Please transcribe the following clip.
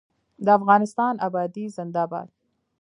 د افغانستان ابادي زنده باد.